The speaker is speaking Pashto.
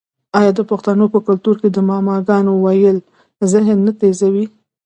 آیا د پښتنو په کلتور کې د معما ګانو ویل ذهن نه تیزوي؟